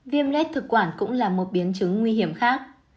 viêm lết thực quản cũng là một biến chứng nguy hiểm khác